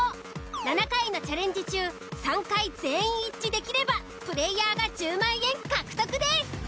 ７回のチャレンジ中３回全員一致できればプレイヤーが１０万円獲得です。